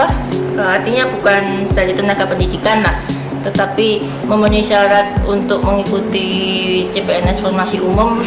artinya bukan dari tenaga pendidikan tetapi memenuhi syarat untuk mengikuti cpns formasi umum